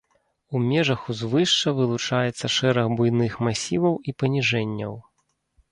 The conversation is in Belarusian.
У межах узвышша вылучаецца шэраг буйных масіваў і паніжэнняў.